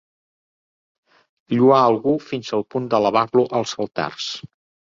Lloà algú fins al punt d'elevar-lo als altars.